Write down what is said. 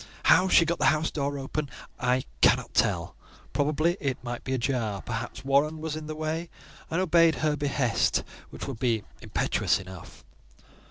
How she got the house door open I cannot tell; probably it might be ajar; perhaps Warren was in the way and obeyed her behest, which would be impetuous enough.